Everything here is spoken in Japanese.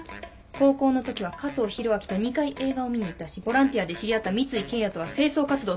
高校のときは加藤弘明と２回映画を見に行ったしボランティアで知り合った三井健也とは清掃活動